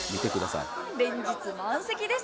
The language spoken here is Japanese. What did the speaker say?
連日満席です。